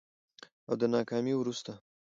او د ناکامي وروسته